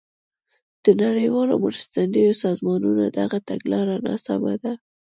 د نړیوالو مرستندویو سازمانونو دغه تګلاره ناسمه ده.